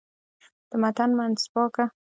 د متن منځپانګه ارزول شوې ده.